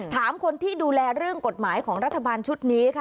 ถามคนที่ดูแลเรื่องกฎหมายของรัฐบาลชุดนี้ค่ะ